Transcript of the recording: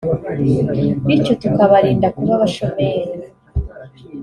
bityo tukabarinda kuba abashomeri”